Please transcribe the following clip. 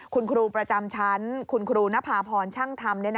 คุณครูประจำชั้นคุณครูนภาพรช่างธรรม